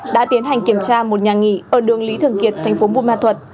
đã tiến hành kiểm tra một nhà nghỉ ở đường lý thường kiệt thành phố buôn ma thuật